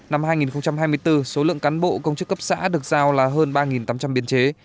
năm hai nghìn hai mươi bốn số lượng cán bộ công chức cấp xã được giao là hơn ba tám trăm linh biên chế